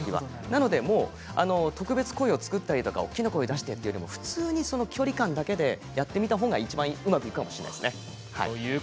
なので特別、声を作ったりとか大きな声を作ったりとかではなく距離感だけでやってみた方がいちばんうまくいくかもしれないですね。